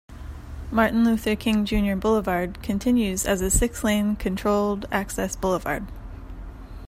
Martin Luther King Junior Boulevard continues as a six-lane controlled-access boulevard.